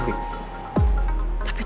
tapi tetep kamu cermin ya